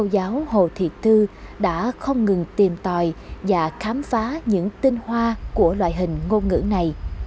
giáo hồ thị thư đã không ngừng tìm tòi và khám phá những tinh hoa của loại hình ngôn ngữ này